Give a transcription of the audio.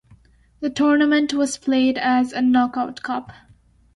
The tournament was played as a knockout cup.